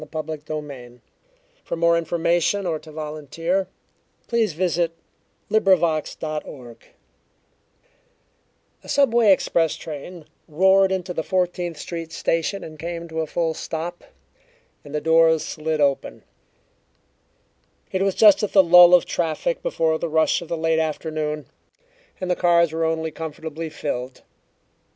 THE MAN WITH THE GOOD FACE By FRANK LUTHER MOTT (From The Midland) A subway express train roared into the Fourteenth Street Station and came to a full stop, and the doors slid open. It was just at the lull of traffic before the rush of the late afternoon, and the cars were only comfortably filled.